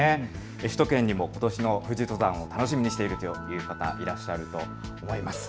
首都圏にもことしの富士登山を楽しみにしているという方、いらっしゃると思います。